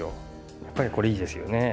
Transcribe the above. やっぱりこれいいですよね。